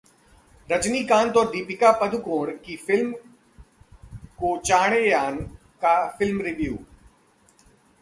रजनीकांत और दीपिका पादुकोण की फिल्म कोचाणेयान का फिल्म रिव्यू